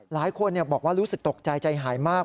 หลายคนบอกว่ารู้สึกตกใจใจหายมาก